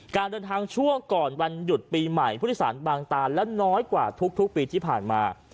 การเดินทางช่วงก่อนวันหยุดปีใหม่ผู้โดยสารบางตาและน้อยกว่าทุกปีที่ผ่านมา